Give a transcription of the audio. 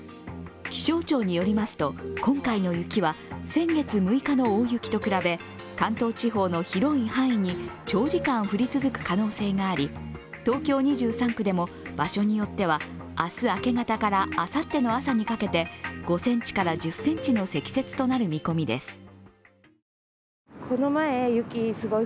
気象庁によりますと、今回の雪は先月６日の大雪と比べ関東地方の広い範囲に長時間降り続く可能性があり東京２３区でも場所によっては明日明け方からあさっての朝にかけて５ｃｍから１０ｃｍの積雪となる見込みです。